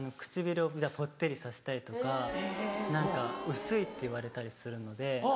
唇をぽってりさせたりとか何か薄いって言われたりするので。